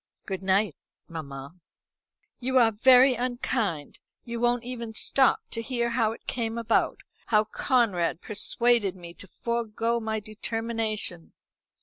"Good night, mamma." "You are very unkind. You won't even stop to hear how it came about how Conrad persuaded me to forego my determination."